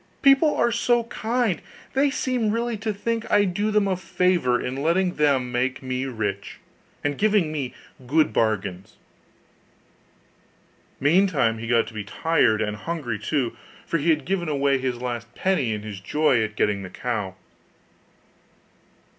People are so kind; they seem really to think I do them a favour in letting them make me rich, and giving me good bargains.' Meantime he began to be tired, and hungry too, for he had given away his last penny in his joy at getting the cow.